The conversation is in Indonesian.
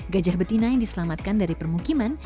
gajah betina yang diselamatkan dari permukiman